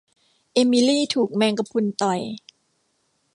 เอมิลีถูกแมงกะพรุนต่อย